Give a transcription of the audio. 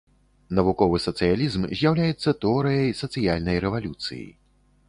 Навуковы сацыялізм з'яўляецца тэорыяй сацыяльнай рэвалюцыі.